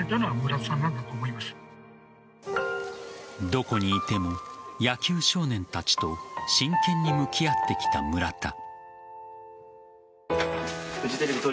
どこにいても野球少年たちと真剣に向き合ってきた村田。